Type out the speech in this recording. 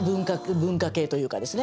文化系というかですね。